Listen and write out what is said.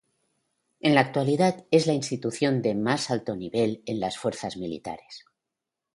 En la actualidad es la Institución de más alto nivel en las Fuerzas Militares.